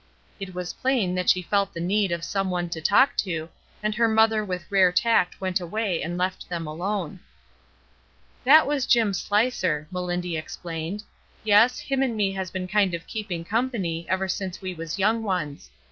It was plain that she felt the need of some one to talk to, and her mother with rare tact went away and left them alone. 258 ESTER RIeD'S NAMESAKE ^es. him and me has been kind of keeping company ever since we was young ones h!